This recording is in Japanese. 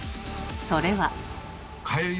それは。